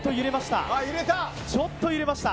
ちょっと揺れました